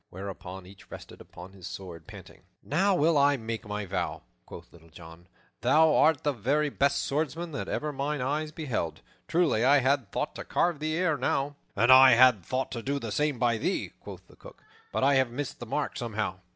whereupon each rested upon his sword, panting. "Now will I make my vow," quoth Little John, "thou art the very best swordsman that ever mine eyes beheld. Truly, I had thought to carve thee ere now." "And I had thought to do the same by thee," quoth the Cook, "but I have missed the mark somehow."